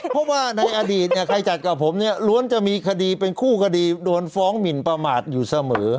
เพราะว่าในอดีตเนี่ยใครจัดกับผมเนี่ยล้วนจะมีคดีเป็นคู่คดีโดนฟ้องหมินประมาทอยู่เสมอ